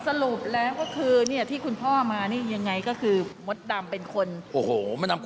สรุปแล้วก็คือเนี่ยที่คุณพ่อมานี่ยังไงก็คือมดดำเป็นคนโอ้โห